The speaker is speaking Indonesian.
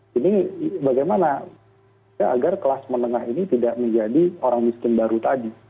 jadi bagaimana agar kelas menengah ini tidak menjadi orang miskin baru tadi